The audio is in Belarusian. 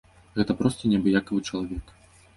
Гэта проста неабыякавы чалавек.